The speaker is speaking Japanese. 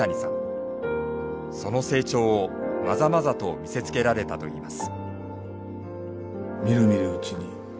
その成長をまざまざと見せつけられたといいます。